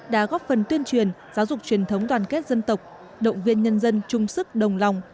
đã góp phần tuyên truyền giáo dục truyền thống đoàn kết dân tộc động viên nhân dân chung sức đồng lòng